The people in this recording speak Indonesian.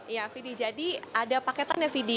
ya fidi jadi ada paketannya fidi